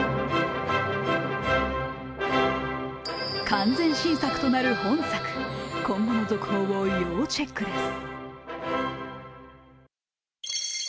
完全新作となる本作、今後の続報を要チェックです。